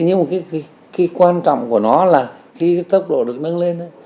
nhưng quan trọng của nó là khi tốc độ được nâng lên